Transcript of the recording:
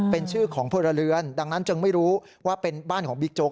เป็นชื่อของพลเรือนดังนั้นจึงไม่รู้ว่าเป็นบ้านของบิ๊กโจ๊